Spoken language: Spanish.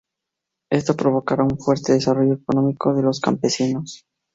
Esto provocará un fuerte desarrollo económico de los campesinos.